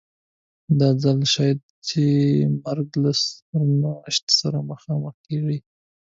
دا ځل شاید چې مرګ له سرنوشت سره مخامخ کړي.